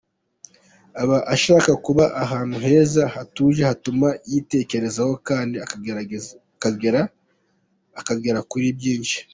Aba ashaka kuba ahantu heza, hatuje hatuma yitekerezaho kandi akagera kuri byinshi.